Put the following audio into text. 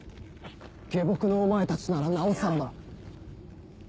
下僕のお前たちならなおさらだ。